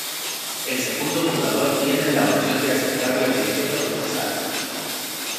El segundo jugador tiene la opción de aceptar la división o rechazarla.